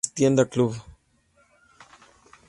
La presentación del disco fue en La Trastienda Club.